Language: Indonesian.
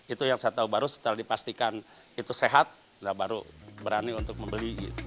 itu yang saya tahu baru setelah dipastikan itu sehat baru berani untuk membeli